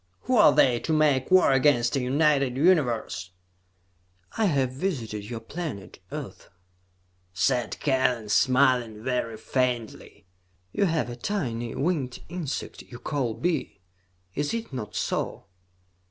"Who are they, to make war against a united Universe?" "I have visited your planet, Earth," said Kellen, smiling very faintly. "You have a tiny winged insect you call bee. Is it not so?"